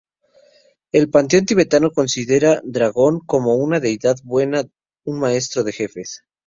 El panteón tibetano considera dragón como una deidad buena, un maestro de jefes.